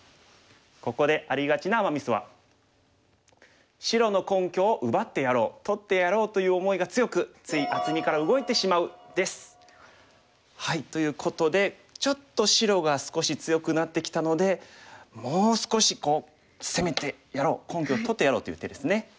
ここでありがちなアマ・ミスは白の根拠を奪ってやろう取ってやろうという思いが強く。ということでちょっと白が少し強くなってきたのでもう少しこう攻めてやろう根拠を取ってやろうという手ですね。